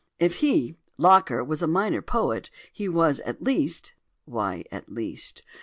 "If he [Locker] was a minor poet he was at least [why 'at least'?